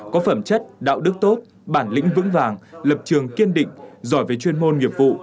có phẩm chất đạo đức tốt bản lĩnh vững vàng lập trường kiên định giỏi về chuyên môn nghiệp vụ